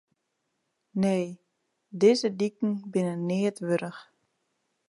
Nee, dizze diken binne neat wurdich.